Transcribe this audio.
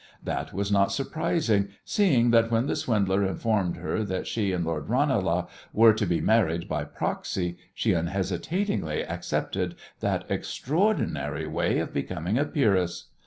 That was not surprising, seeing that when the swindler informed her that she and Lord Ranelagh were to be married by proxy she unhesitatingly accepted that extraordinary way of becoming a peeress.